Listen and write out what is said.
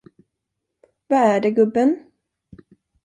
Vad är det, gubben?